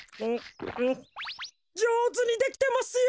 じょうずにできてますよ！